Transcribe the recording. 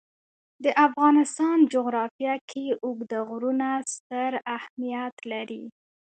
د افغانستان جغرافیه کې اوږده غرونه ستر اهمیت لري.